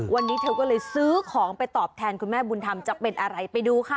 วันนี้เธอก็เลยซื้อของไปตอบแทนคุณแม่บุญธรรมจะเป็นอะไรไปดูค่ะ